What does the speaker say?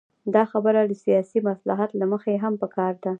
دا خبره له سیاسي مصلحت له مخې هم پکار ده.